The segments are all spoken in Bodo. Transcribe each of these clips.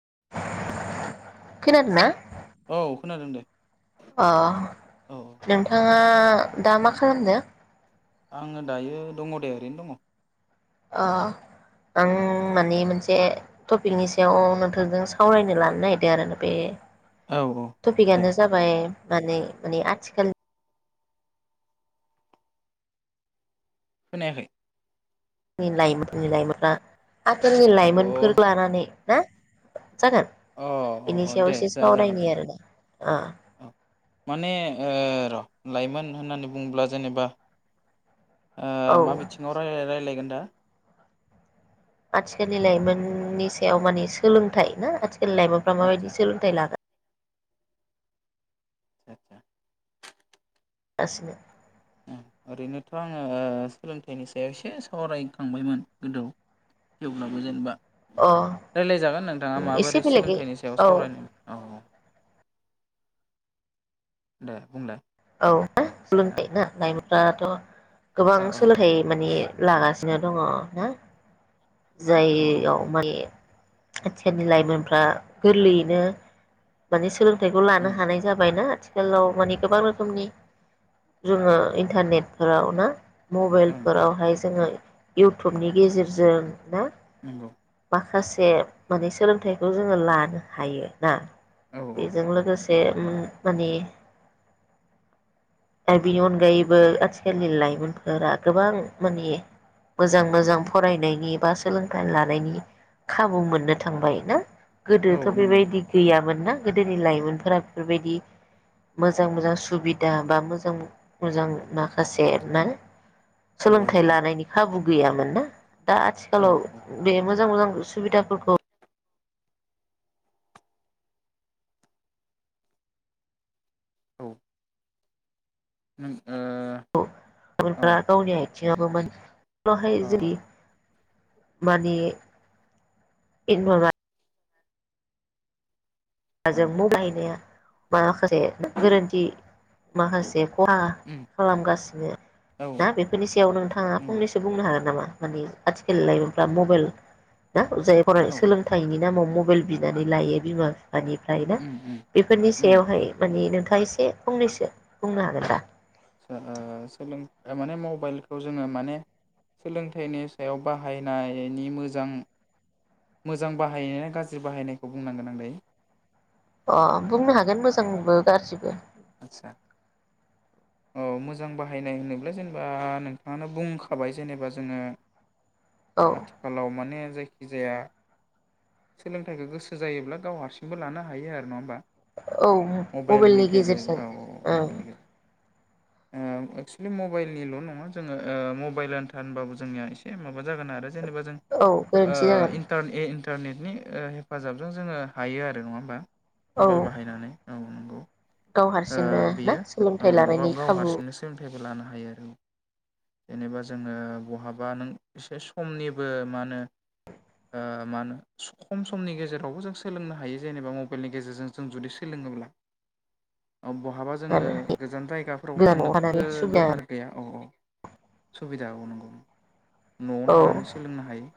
[inaudible] औ खोनादों दे। अ औ नोंथाङा दा मा औ खालामदों? आङो दायो दङ दे ओरैनो दङ। ओ औ आं माने मोनसे से टपिकनि सायाव नोंथांजों सावराय नो लानो नागिरदों आरो बे औ औ दे टपिकआनो जाबाय माने माने आथिखाल खोनायाखै? जोंनि लाइमोननि लाइमोना आगोलनि अ लाइमोनफोर लानानै हो? जागोन अ अ बेनि अ सायाव दे एसे जा जागोन दे सावरायनि जागोन आरोना ओ। औ माने ओ र' लाइमोन होननानै बुङोब्ला जेनेबा ओ मा बिथिङाव रायलाय-रायलायगोन दा आथिखालनि लाइमोननि सायाव मानि सोलोंथाइ ना आथिख लाइमोनफ्रा आदसा माबायदि सोलोंथाइ लादों आतसा आतसा। गासिनो। ओं ओरैनोथ' आङो सोलोंथाइनि सायाव एसे सावरायखांबायमोन गोदौ थेवब्लाबो जेनेबा अ रायलाय जागोन नोंथाङा एसे माबोरै बेलेगै सोलोंथाइनि सायाव औ सावरायनो औ। दे बुंलाय औ ना औ सोलोंथाइ ना लाइमोन? दाथ' गोबां औ औ सोलोंथाइ माने लागासि सिनो दङ ना। जाययाव औ माने आथिखालनि लाइमोनफ्रा गोरलैयैनो माने सोलों थाइखौ लानो ओम हानाय जाबायना हेल' मानि गोबां रो खोमनि जोङो इन्टारनेटफोराव ना ओम ओम मबाइलफोरावहाय जोङो इउटुबनि गेजेरजों ना नोंगौ। माखासे माने सोलोंथाइखौ जोङो लानो हायो ना। औ बेजों लोगोसे बे ओम माने दा बेनि अनगायैबो आथिखालनि लाइमोनफोरा गोबां माने मोजां मोजां फरायनायनि बा सोलोंथाइ लानायनि खाबु मोननो थांबाय ना। औ गोदोथ' नंगौ बेबायदि गैयामोन ना गोदोनि लाइमोनफोरा बेफोरबायदि मोजां मोजां सुबिदा बा मोजां मोजां माखासे मा औ सोलोंथाइ लानायनि खाबु गैयामोन ना। दा औ आथिखालाव बे मोजां मोजां सुबिदाफोरखौ औ। [inaudible] [unintelligible] गावनि थियाबोमोन [unintelligible] हाय औ अ जुदि माने इ नरमा अ [unintelligible] औ जों मु बाहायनाया बा [unintelligible] से गोरोन्थि माखासे खहा उम खालामगासिनो औ ना। बेफोरनि सायाव नोंथाङा नंगौ फंनैसो बुंनो हागोन नामा? माने आथिखाल लाइमोनफ्रा मबाइल ना जायफोरा औ सोलोंथाइनि नामाव मबेल बिनानै लायो बिमा फि फानिफ्राय ना। उम उम बेफोरनि उम सायावहाय माने नोंथां आ एसे फंनैसो बुंनो हागोन दा? सो‌ओ सोलों माने मबाइलखौ जोङो माने सोलोंथाइनि सायाव बाहायनायनि मोजां मोजां बाहायनाया गाज्रि बाहायनायखौ बुंनांगोन आं दायो? अ बुंनो हागोन मोजांबो गारजिबो‌। आदसा औ मोजां बाहायनाय होनोब्ला जेनेबा नोंथाङानो बुंखाबाय जेनेबा जोङो औ आथिखालाव माने जाय जायखि जाया सोलोंथाइखौ गोसो जायोब्ला गाव हारसिंबो लानो हायो आरो नङा होमबा औ मबाइलनि गेजेर गेजेरजों औ औ ओं मबाइलनि गेजेर एक्सुेलि मबाइलनिल' नङा जोङो मबाइल आानोथार होनबाबो जोंनिया एसे माबा ज' जागोन आरो जेनेबा जों औ ओ गोरोन्थि जागोन इनथार इन्टारनेटनि हेफाजाबजों जोङो हायो आरो नङा होमबा औ मबाइल बाहायनानै औ नोंगौ गाव हारसिंनो ना सोलोंथाइ लानायनि खाबु बो लानो हायो आरो जेनेबा जोङो बहाबा नों एसे समनिबो मा होनो मा होनो खम समनि गेजेरावबो जों सोलोंनो हायो जेनेबा मबाइलनि गेजेरजों जों जुदि सोलोङोब्ला औ बहाबा जोङो आरो गोजान जायगाफोराव गोदानाव थानानै थांनोबो सुबिदा दरखार गैया औ औ सुबिदा अ नंगौ न'आवनो औ थानानै सोलोंनो हायो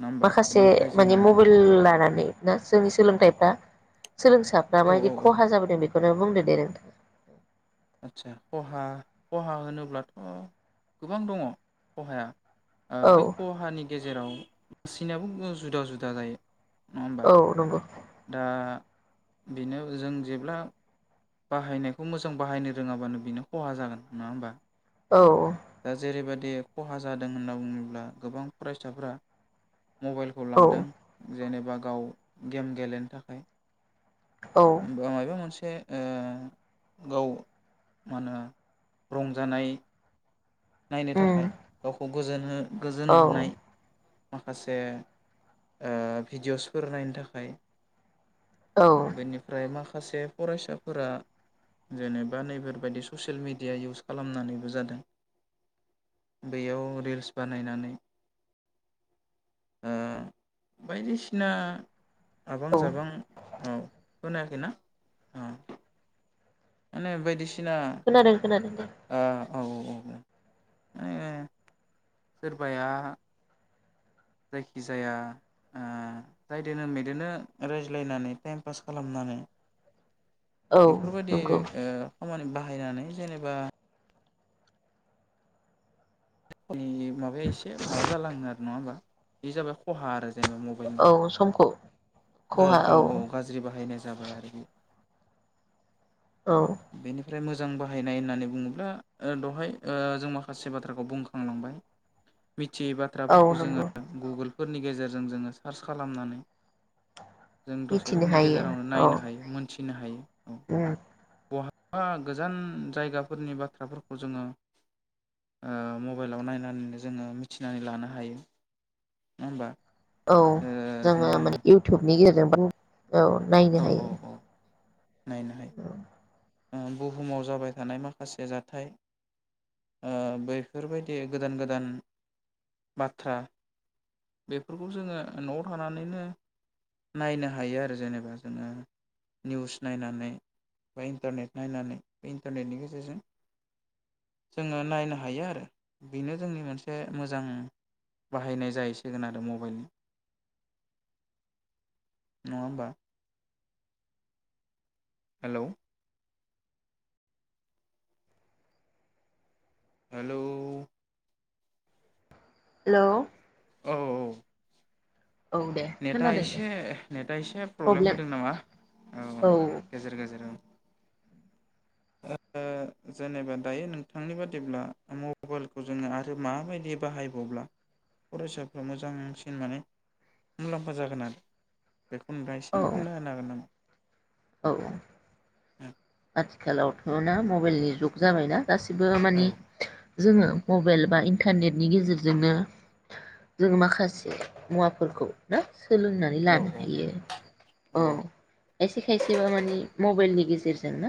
नङा होमबा माखासे बेनिफ्राय माने जोङो मबाइल लानानै ना जोंनि सोलोंथाइफ्रा सोलोंसाफ्रा औ माबायदि औ औ खहा जाबोदों बेखौ नों बुंदों दे नोंथां आतसा खहा खहा होनोब्लाथ' गोबां दङ खहाया आ बे औ खहानि गेज जेराव सिनायाबो जुदा जुदा जायो नङा होमबा औ नंगौ दा बेनो जों जेब्ला बाहायनायखौ मोजां बाहायनो रोङाबानो बेनो खहा जागोन नङा होमबा औ दा जेरैबायाददि खहा जादों होनना बुङोब्ला गोबां फरायसाफोरा मबाइलखौ औ लादों जेनेबा गाव गेम गेलेनो थाखाय औ मायबा मोनसे से ओ गाव मा होनो रंजानाय नायनो उम थाखाय गावखौ गोजोन गोजोन औ होनाय माखासे भिडिअसफोर नायनो थाखाय औ बेनिफ्राय माखासे माखासे फरायसाफोरा जेनेबा नैबफोर बायदि ससियेल मिडिया इउस खालामनानैबो जादों बेयाव रिल्स बानायनानै ओ बायदिसिना आबां औ जाबां औ होनायाखौना अ माने बायदिसि खोनादों खोनादों ओ औ औ औ माने सोरबाया जायखि जाया ओ जायदोनो मेदनो रायज्लायनानै टाइम पास खालामनानै औ बेफोरबायदि नंगौ ओ खामानि बा बाहायनानै जेनेबा नि माबाया इसे माबा जालाङो आरो नङा ओमबा? बे जाबाय खहा आरो जेनेबा मबाइल औ समखौ औ औ गाज्रि बाहायनाय जाबाय आरो बे औ ओमफ्राय मोजां बाहायनाय होननानै बुङोब्ला ओ दहाय ओ जों माखासे बाथ्राखौ बुंखा मिथियै औ बाथ्राफोरखौ जोङो नंगौ गुगोल फोरनि गेजेरजों जोङो सार्च खालामनानै जों दसे मिथिनो समनि हायो गेजेरावनो औ नायनो हायो मोनथिनो हायो उम बहा बा गोजान जायगाफोरनि बाथ्राफोरखौ जोङो ओ मब बाइलाव नायनानैनो जोङो मिथिनानै लानो हायो नङा ओमबा? औ जोङो माने इउटुबनि गेजेरजों [unintelligible] औ औ नायनो औ हायो। औ नायनो हायो। उम बुहुमाव जाबाय थानाय माखासे जाथाय ओ बेफोरबायदि गोदान गोदान बाथ्रा बेफोरखौ जोङो न'आव थानानैनो नायनो हायो आरो जेनेबा ओ निउस नायनानै बा इन्टारनेट नायनानै इन्टारनेटनि गेजेरजों जोङो नायनो हायो आरो बेनो जोंनि मोनसे मोजां बाहायनाय जाहैसिगोन आरो मबाइल नङा ओमबा? हेलौ हेलौ हेलौ अ औ औ दे नेटआ खोनादों दे इसे नेटआ एसे प्रब्लेम होदों नामा औ औ गेजेर गेजेर ओ जेनेबा दायो नोंथांनि बादिब्ला मबाइलखौ जोङो आरो माबायदि बाहायबावब्ला फरायसाफ्रा मोजांसिन माने मुलाम्फा जागोन आरो बेखौ नोंथाङा इसे बुंना होना हागोन नामा? औ औ [inaudible] आथिखालावथ' ना मबाइलनि जुग जाबायना। गासिबो मानि जोङो मबाइल बा इन्टारनेटनि गेजेरजोंनो जोङो माखासे मुवाफोरखौ ना। सोलोंनानै औ लानो हायो। औ खायसे खायसेबा मानि मबाइलनि गेजेर गोन ना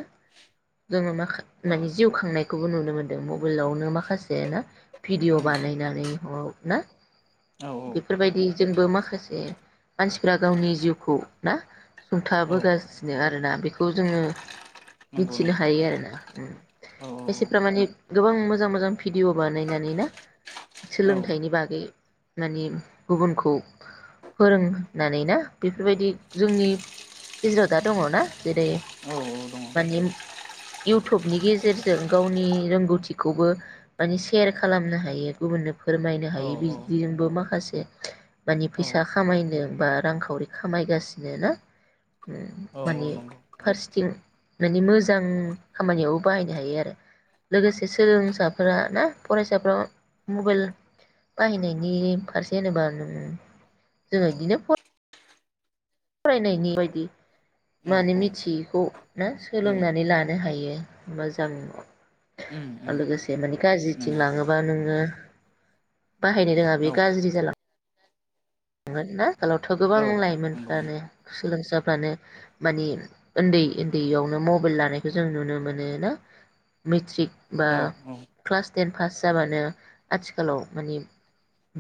जोङो माखा माने जिउ खांनायखौबो नुनो मोनदों मबाइलावनो माखासे ना। भिडिअ उम बानायनानै ह ना। औ औ बेफोरबायदि जोंबो माखासे मानसिफ्रा गावनि जिउखौ ना। औ सुंथाबोगासिनो आरोना बेख खौ जोङो नंगौ मिथिनो नंगौ हायो आरो ना। औ खायसेफ्रा माने गोबां मोजां मोजां भिडिअ बानायनानै ना। औ सोलोंथाइनि बागै मानि गुबुनखौ फोरोंनानै ना बेफोरबायदि जोंनि गेजेराव दा दङना जेरै औ औ दङ माने इउटुबनि गेजेरजों गावनि रोंगौथिखौबो माने सेयार खालामनो हायो गुबुननो फोरमायनो औ हायो औ बिदिजोंबो माखासे माने औ फैसा खामायनो बा रांखावरि खामायगासिनो ना। माने औ नंगौ फारसेथिं माने मोजां खामानियावबो बाहायनो हायो आरो लोगोसे सोलोंसाफोरा ना फरायसाफ्रा मबाइल बाहायनायनि फारसे होनोबा नों जोङो बिदिनो फ फरायनायनि बायदि नंगौ माने औ औ मिथियैखौ ना नंगौ सोलोंनानै लानो हायो मोजां उम उम लोगोसे माने गाज्रिथिं नंगौ लाङोबा नोङो बाहायनो रोङा बे औ गाज्रि जालाङो। थांगोन ना आथिखालावथ' गोबां औ नंगौ लाइमोनफ्रानो सोलोंसाफ्रानो माने ओन्दै ओन्दैयावनो मबाइल लानायखौ जों नुनो मोनो ना। मेट्रिक बा औ औ क्लास टेन पास जाबानो आथिखालाव माने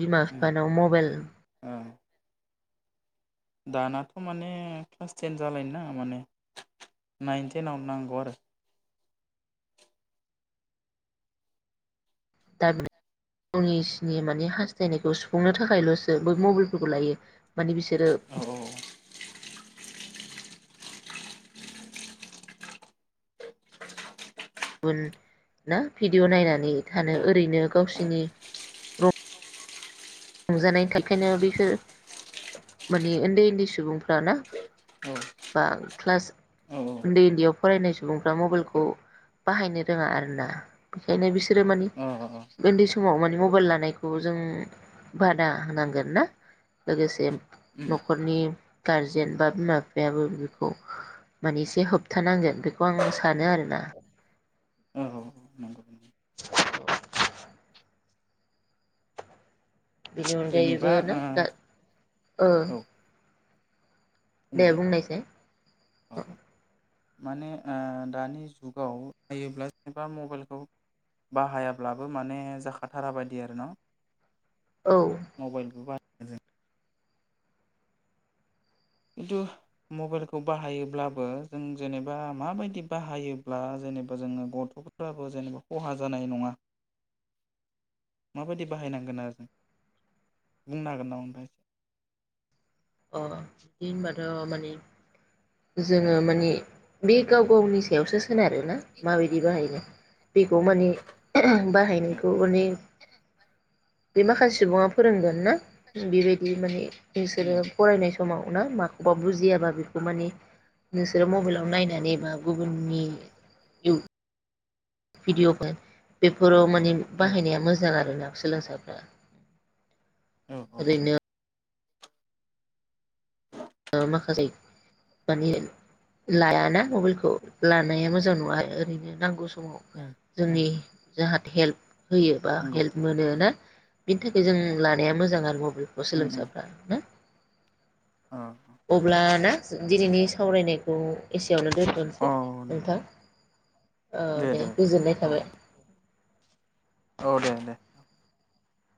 बिमा बिफानाव मबाइल ओ दानाथ' माने क्लास टेन जालायनो नाङा माने नाइन टेनाव नांगौ आरो। दा गावनिसिनि माने हास्थायनायखौ सुफुंनो थाखायल'सो बै मबाइलफोरखौ लायो। माने बिसोरो आरो गुबुन ना भिडिअ' नायनानै थानो ओरैनो गावसिनि रं रंजानाय थाइखायनो बिसोर माने उन्दै उन्दै सुबुंफ्राना औ बा क्लास औ उन्दै उन्दैयाव फरायनाय सुबुंफ्रा मबाइलखौ बाहायनो रोङा आरोना बेखायनो बिसोरो मानि औ औ औ उन्दै समाव मानि मबाइल लानायखौ जों बादा होनांगोन ना लोगोसे उम न'खरनि गारजेन बा बिमा बिफायाबो बेखौ माने एसे होबथानांगोन बेखौ आं सानो आरोना। औ औ नंगौ नंगौ [inaudible] बिनि अनगायैबो जेनेबा ना गा ओ। दे बुंलाय बुंनायसाय। अ माने आ दानि जुगाव बाहायोब्ला जेनेबा मबाइलखौ बाहायाब्लाबो माने जाखाथारा बायदि आरो ना। औ मबाइलबो बाह [unintelligible] खिन्थु मबाइलखौ बाहायोब्लाबो जों जेनेबा माबायदि बाहायोब्ला जेनेबा जोङो गथ'फ्राबो जेनेबा खहा जानाय नङा माबायदि बाहायनांगोन आरो बुंनो हागोन नामा नोंथां? अ बिदि होनबाथ' माने जोङो माने बे गाव गावनि सायावसो सो सोनारोना माबायदि बाहायो। बेखौ माने [unintelligible] बाहायनायखौ मानेे बे माखासे सुबुङा फोरोंगोन ना बेबायदि माने इसोरो नाय समाव ना माखौबा बुजियाबा बेखौ मानि नोंसोरो मबाइलाव नायनानै बा गुबुननि इउ भिडिअफोर बेफोराव मान औ बाहायनाया मोजां आरोना। सोलोंसाफ्रा औ औ। ओरैनो माखासे माने लायाना मबाइलखौ लानाया मोजां नङा ओरैनो नांगौ सम औ समाव जोंनि जाहाथे हेल्प होयोबा नंगौ हेल्प मोनो ना? बिनि थाखाय जों लानाया मोजां आरो मब बेलखौ उम उम सोलोंसाफ्रा ना। अ अब्ला ना दिनैनि सावरायनायखौ एसेयावनो अ दोन्थ'नोसै नोंथां। औ दे गोजोननाय औ थाबाय। औ दे दे।